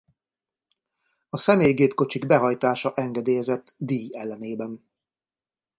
A személygépkocsik behajtása engedélyezett díj ellenében.